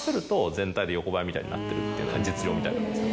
みたいになってるっていうのが実情みたいなんですよ。